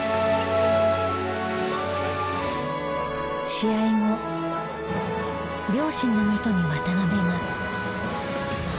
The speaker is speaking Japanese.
試合後両親のもとに渡邊が。